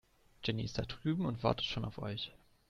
Jenny ist da drüben und wartet schon auf euch.